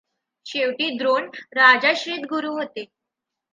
शेवटी द्रोण राजाश्रित गुरू होते.